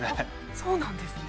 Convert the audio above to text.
そうなんですね。